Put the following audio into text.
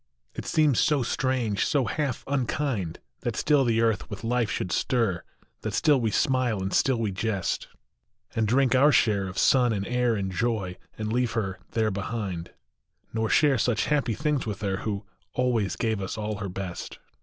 It seems so strange, so half unkind, That still the earth with life should stir, That still we smile, and still we jest. NON OMNIS MORIAR. 159 And drink our share of sun and air And joy and leave her there behind ; Nor share such happy things with her Who always gave us all her best